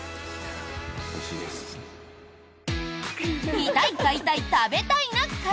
「見たい買いたい食べたいな会」！